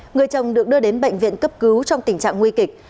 người chồng được đưa đến bệnh viện cấp cứu trong tình trạng nguy kịch